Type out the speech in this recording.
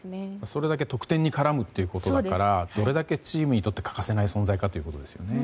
それだけ得点に絡むということだからどれだけチームにとって欠かせない存在かということですね。